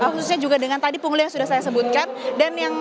khususnya juga dengan tadi pungli yang sudah saya sebutkan